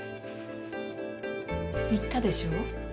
言ったでしょ。